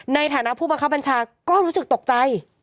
ในฐานะผู้บังคับบัญชาก็รู้สึกตกใจ